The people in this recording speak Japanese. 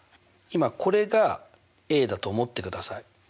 今これがだと思ってください。